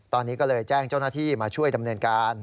ตอนนี้ก็เลยแจ้งเจ้าหน้าที่มาช่วยดำเนินการ